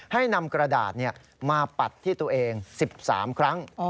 ให้นำกระดาษมาปัดที่ตัวเอง๑๓ครั้ง